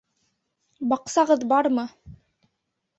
Баҡсағыҙ бармы?